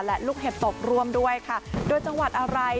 และลูกเห็บตกร่วมด้วยค่ะโดยจังหวัดอะไร